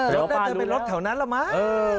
เราก็ได้ไปรถแถวนั้นละมั้ง